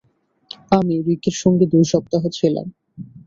আমি রিকের সঙ্গে দুই সপ্তাহ ছিলাম।